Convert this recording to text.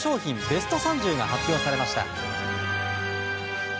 ベスト３０が発表されました。